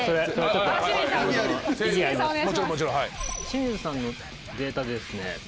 清水さんのデータですね。